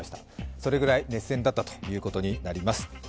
それくらい熱戦だったということになります。